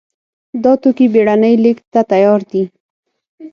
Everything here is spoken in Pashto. دا توکي بېړنۍ لېږد ته تیار دي.